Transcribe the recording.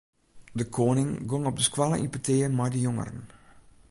De koaning gong op de skoalle yn petear mei de jongeren.